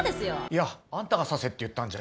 いやあんたが刺せって言ったんじゃ。